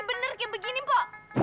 rumahnya besar sekali seperti ini po